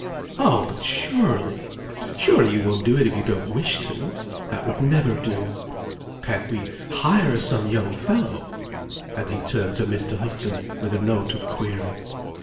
"Oh but surely. Surely you won't do it if you don't wish to. That would never do. Can't we hire some young fellow—?" And he turned to Mr. Houghton with a note of query.